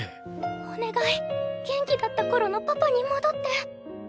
お願い元気だったころのパパにもどって。